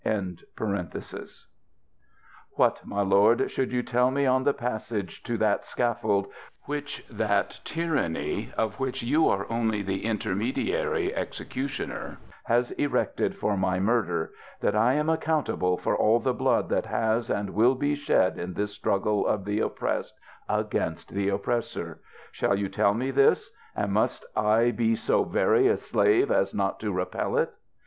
] What, my lord, shall you tell me, on the passage to that scaffold, which that tyranny, of which you are only the intermediary exe cutioner, has erected for my murder, that I am accountable for all the blood that has, and will be shed in this struggle of the oppressed against the oppressor? ŌĆö shall you tell me this ŌĆö and must I be so very a slave as not to repel it